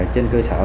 trên cơ sở